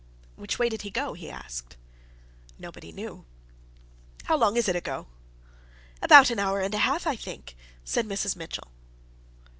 "Which way did he go?" he asked. Nobody knew. "How long is it ago?" "About an hour and a half, I think," said Mrs. Mitchell.